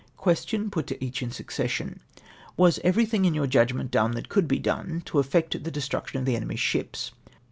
Question (put to each in succession). —" Was everything in yonr judgment done that could be done, to effect the de struction of the enemy's ships